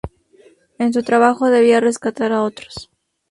En su trabajo debía rescatar a otros.